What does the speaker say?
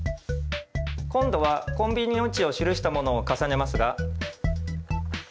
今度はコンビニの位置を記したものを重ねますが。